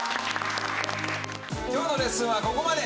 今日のレッスンはここまで。